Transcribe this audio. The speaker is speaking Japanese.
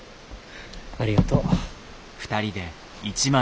ありがとう。